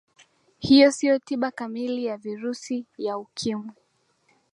hiyo siyo tiba kamili ya virusi ya ukimwi